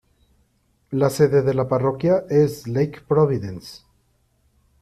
La sede de la parroquia es Lake Providence.